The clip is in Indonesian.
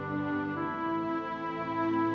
kamu jangan formsak